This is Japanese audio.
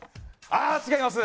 あっ違います。